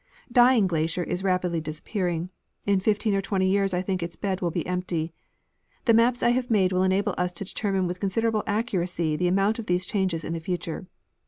Dying glacier is rapidly disappearing ; in 15 or 20 years I think its bed will be empty. The maps I have made will enable us to determine with considerable accuracy the amount of these changes in the future.